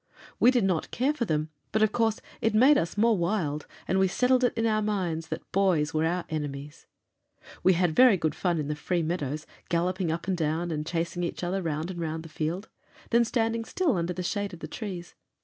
We did not care for them, but of course it made us more wild, and we settled it in our minds that boys were our enemies. We had very good fun in the free meadows, galloping up and down and chasing each other round and round the field; then standing still under the shade of the trees.